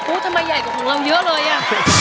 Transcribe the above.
ทำไมใหญ่กว่าของเราเยอะเลยอ่ะ